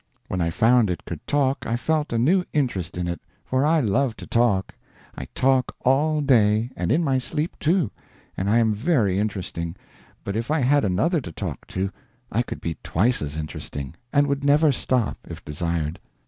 When I found it could talk I felt a new interest in it, for I love to talk; I talk, all day, and in my sleep, too, and I am very interesting, but if I had another to talk to I could be twice as interesting, and would never stop, if desired.